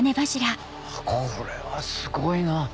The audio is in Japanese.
これはすごいな。